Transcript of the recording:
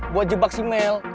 buat jebak si mel